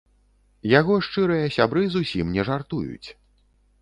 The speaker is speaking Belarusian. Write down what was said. Яго шчырыя сябры зусім не жартуюць.